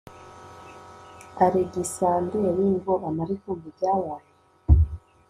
alegisanderi ngo amare kumva ibyabaye